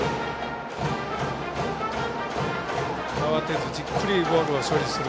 慌てずじっくりボールを処理する。